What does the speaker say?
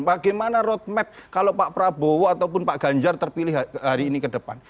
bagaimana roadmap kalau pak prabowo ataupun pak ganjar terpilih hari ini ke depan